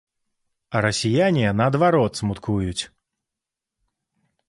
А расіяне, наадварот, смуткуюць.